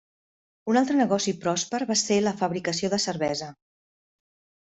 Un altre negoci pròsper va ser la fabricació de cervesa.